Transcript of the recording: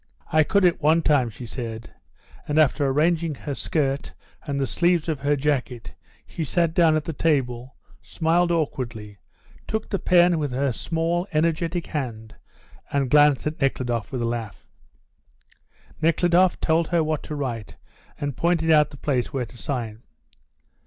"I could at one time," she said; and, after arranging her skirt and the sleeves of her jacket, she sat down at the table, smiled awkwardly, took the pen with her small, energetic hand, and glanced at Nekhludoff with a laugh. Nekhludoff told her what to write and pointed out the place where to sign.